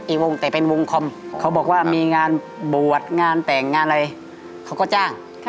วงแต่เป็นวงคอมเขาบอกว่ามีงานบวชงานแต่งงานอะไรเขาก็จ้าง